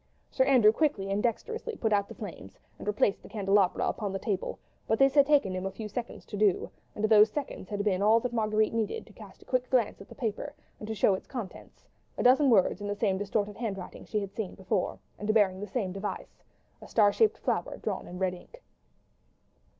Sir Andrew quickly and dexterously put out the flames and replaced the candelabra upon the table; but this had taken him a few seconds to do, and those seconds had been all that Marguerite needed to cast a quick glance at the paper, and to note its contents—a dozen words in the same distorted handwriting she had seen before, and bearing the same device—a star shaped flower drawn in red ink.